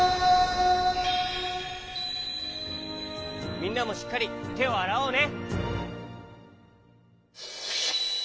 みんなもしっかりてをあらおうね！